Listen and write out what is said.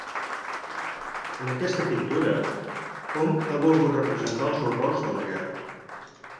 En aquesta pintura hom ha volgut representar els horrors de la guerra.